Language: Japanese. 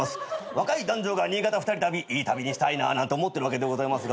若い男女が新潟２人旅いい旅にしたいななんて思ってるわけでございますが。